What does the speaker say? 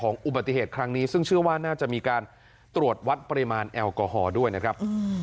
นะครับ